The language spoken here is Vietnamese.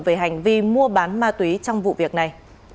về hành vi mua bán ma túy trong vụ việc này